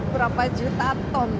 berapa juta ton